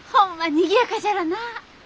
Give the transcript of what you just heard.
にぎやかじゃろうな。